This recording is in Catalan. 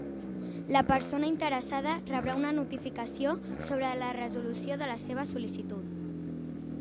La persona interessada rebrà una notificació sobre la resolució de la seva sol·licitud.